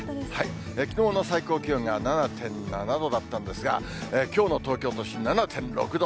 きのうの最高気温が７．７度だったんですが、きょうの東京都心７．６度。